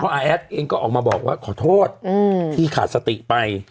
อาแอดเองก็ออกมาบอกว่าขอโทษที่ขาดสติไป